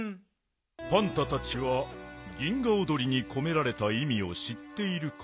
パンタたちは銀河おどりにこめられたいみをしっているか？